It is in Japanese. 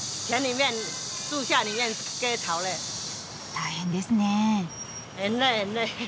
大変ですねえ。